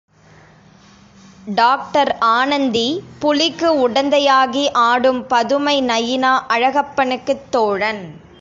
Doctor Anandhi, புலிக்கு உடந்தையாகி ஆடும் பதுமை நயினா அழகப்பனுக்குத் தோழன்.